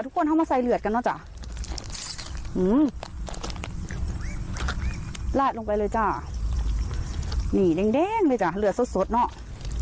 โดยแดงดีเลยจ๊ะเลือดสดเนาะ